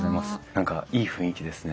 何かいい雰囲気ですね。